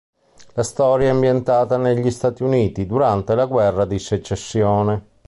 La storia è ambientata negli Stati Uniti durante la guerra di secessione.